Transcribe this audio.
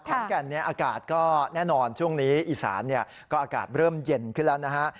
แก่นเนี่ยอากาศก็แน่นอนช่วงนี้อีสานก็อากาศเริ่มเย็นขึ้นแล้วนะฮะ